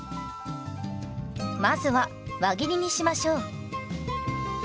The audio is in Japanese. まずは輪切りにしましょう。